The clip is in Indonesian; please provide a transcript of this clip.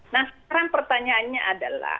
nah sekarang pertanyaannya adalah